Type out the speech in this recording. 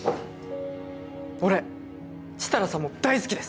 俺設楽さんも大好きです！